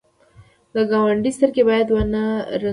د ګاونډي سترګې باید ونه رنځوې